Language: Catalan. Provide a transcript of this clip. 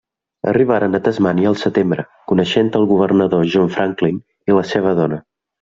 Arribaren a Tasmània al setembre, coneixent el governador John Franklin i la seva dona.